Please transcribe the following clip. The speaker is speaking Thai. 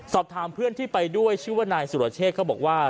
สอบถามเพื่อนที่ไปด้วยชื่อว่านายสุรเชษเขาบอกว่า